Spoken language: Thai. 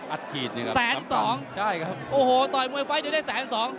อัดขีดนี่ครับสำคัญใช่ครับแสนสองโอ้โหต่อยมวยไฟต์เดี๋ยวได้แสนสอง